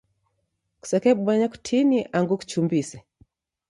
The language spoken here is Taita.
Kusekebonya kutini angu kuchumbise.